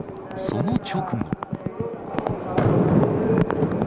その直後。